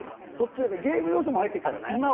ゲーム要素も入ってるからね。